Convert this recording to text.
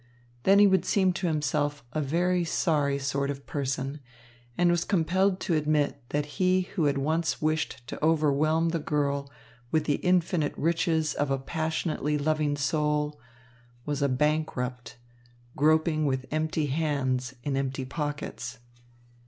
Then he would seem to himself a very sorry sort of person, and was compelled to admit that he who had once wished to overwhelm the girl with the infinite riches of a passionately loving soul, was a bankrupt, groping with empty hands in empty pockets.